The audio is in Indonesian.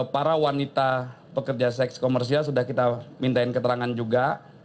para wanita pekerja seks komersial sudah kita mintain keterangan juga